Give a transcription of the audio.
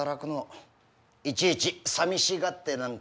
いちいちさみしがってなんかいられないよ。